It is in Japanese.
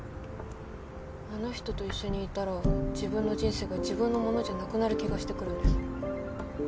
あの人と一緒にいたら自分の人生が自分のものじゃなくなる気がしてくるんです。